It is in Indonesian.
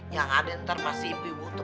yang ada ntar pasti ibu ibu tuh